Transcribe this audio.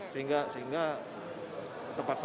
sehingga tepat selesai